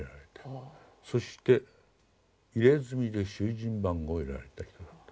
そして入れ墨で囚人番号を入れられた人だと。